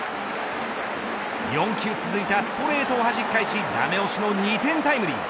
４球続いたストレートをはじき返しダメ押しの２点タイムリー。